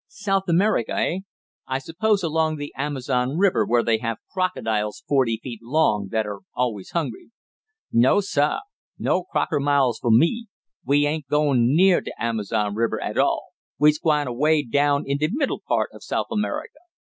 South America, eh? I suppose along the Amazon river, where they have crocodiles forty feet long, that are always hungry." "No, sah! No crockermiles fo' me! We ain't goin' neah de Amerzon riber at all. We's gwine away down in de middle part of South America.